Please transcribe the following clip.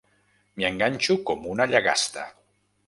M'hi enganxo com una llagasta.